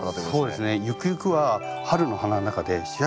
そうですね。